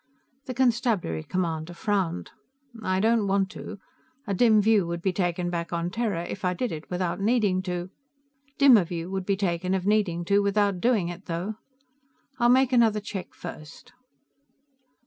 The constabulary commander frowned. "I don't want to. A dim view would be taken back on Terra if I did it without needing to. Dimmer view would be taken of needing to without doing it, though. I'll make another check, first."